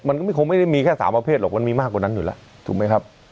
มันก็คงไม่ได้มีแค่๓ประเภทหรอกมันมีมากกว่านั้นอยู่แล้วถูกไหมครับ